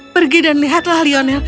pergi dan lihatlah lionel